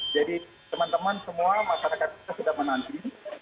jadi teman teman semua masyarakat kita sudah menanti